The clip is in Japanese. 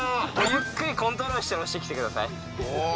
ゆっくりコントロールして下ろして来てください。